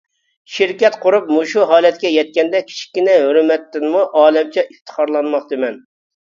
شىركەت قۇرۇپ مۇشۇ ھالەتكە يەتكەندە كىچىككىنە ھۆرمەتتىنمۇ ئالەمچە ئىپتىخارلانماقتىمەن.